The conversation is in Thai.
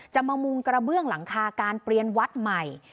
จะมามุงกระเบื้องหลังคาการเปลี่ยนวัดใหม่